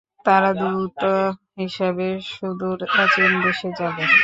তারা দূত হিসাবে সুদূর অচিন দেশে যাবে।